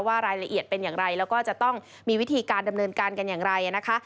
รายละเอียดเป็นอย่างไรแล้วก็จะต้องมีวิธีการดำเนินการกันอย่างไรนะคะ